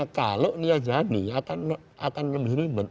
karena kalau dia jadi akan lebih ribet